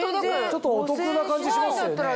ちょっとお得な感じしますよね。